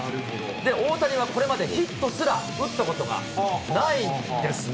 大谷はこれまでヒットすら打ったことがないんですね。